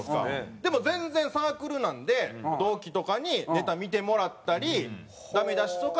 でも全然サークルなんで同期とかにネタ見てもらったりダメ出しとかをもらうという。